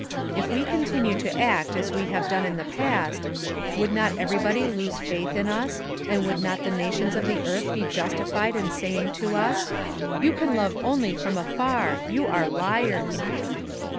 If we continue to act as we have done in the past, would not everybody lose faith in us, and would not the nations of the earth be justified in saying to us: "You can love only from afar. You are liars!"